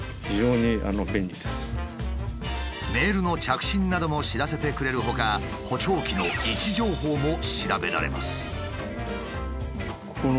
メールの着信なども知らせてくれるほか補聴器の位置情報も調べられます。